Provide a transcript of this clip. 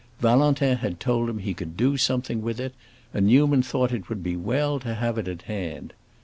Valentin had told him he could do something with it, and Newman thought it would be well to have it at hand.